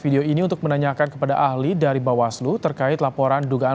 jadi memikirkan menggumis mengukur diani harus tidak pronomenin